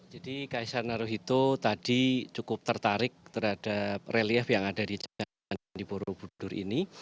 jadi kaisar naruhito tadi cukup tertarik terhadap relief yang ada di candi borobudur ini